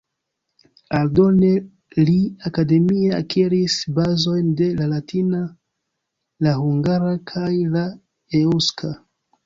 Aldone li akademie akiris bazojn de la latina, la hungara kaj la eŭska.